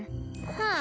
はあ。